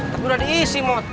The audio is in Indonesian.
tapi udah diisi emot